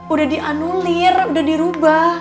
udah dianulir udah dirubah